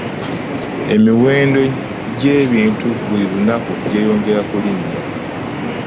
Emiwendo gye bintu buli lunaku gyeyongera kulinya.